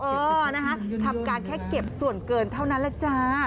เออนะคะทำการแค่เก็บส่วนเกินเท่านั้นแหละจ้า